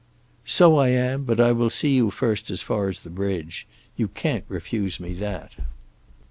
"So I am, but I will see you first as far as the bridge; you can't refuse me that."